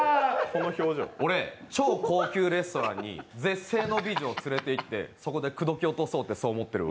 俺、超高級レストランに絶世の美女を連れて行ってそこで口説き落とそうって、そう思ってる。